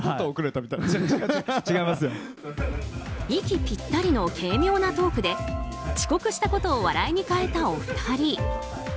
息ぴったりの軽妙なトークで遅刻したことを笑いに変えたお二人。